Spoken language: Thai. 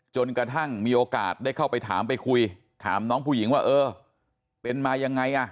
จนกระทั่งมีโอกาสได้เข้าไปถามไปคุยถามน้องผู้หญิงว่าเออเป็นมายังไงอ่ะ